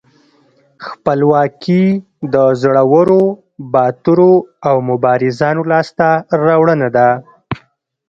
خپلواکي د زړورو، باتورو او مبارزانو لاسته راوړنه ده.